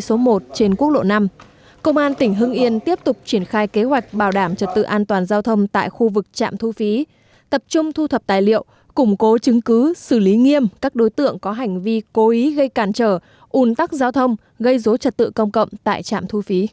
số một trên quốc lộ năm công an tỉnh hưng yên tiếp tục triển khai kế hoạch bảo đảm trật tự an toàn giao thông tại khu vực trạm thu phí tập trung thu thập tài liệu củng cố chứng cứ xử lý nghiêm các đối tượng có hành vi cố ý gây cản trở ùn tắc giao thông gây dối trật tự công cộng tại trạm thu phí